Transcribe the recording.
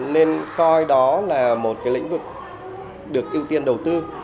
nên coi đó là một lĩnh vực được ưu tiên đầu tư